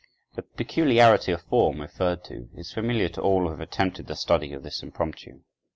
The peculiarity of form referred to is familiar to all who have attempted the study of this impromptu.